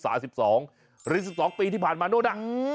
หรือ๑๒ปีที่ผ่านมานู้น